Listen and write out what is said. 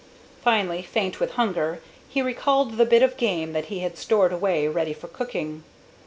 Finally, faint with hunger, he recalled the bit of game that he had stored away ready for cooking.